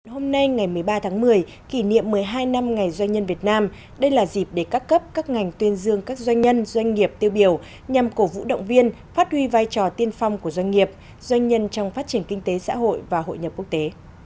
hôm nay ngày một mươi ba tháng một mươi kỷ niệm một mươi hai năm ngày doanh nhân việt nam đây là dịp để các cấp các ngành tuyên dương các doanh nhân doanh nghiệp tiêu biểu nhằm cổ vũ động viên phát huy vai trò tiên phong của doanh nghiệp doanh nhân trong phát triển kinh tế xã hội và hội nhập quốc tế